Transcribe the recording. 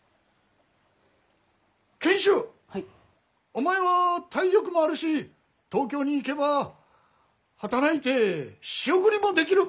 お前は体力もあるし東京に行けば働いて仕送りもできる。